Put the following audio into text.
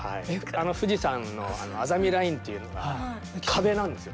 富士山のあざみラインというのが壁なんですよ。